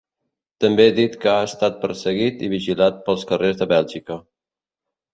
També dit que ha estat perseguit i vigilat pels carrers de Bèlgica.